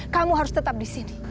kamu harus tetap di sini